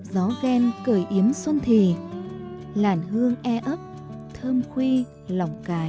gió gen cởi yếm xuân thề làn hương e ấp thơm khuy lòng cài